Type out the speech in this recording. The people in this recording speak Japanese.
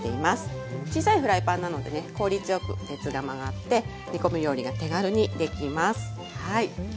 小さいフライパンなのでね効率よく熱が回って煮込み料理が手軽にできますはい。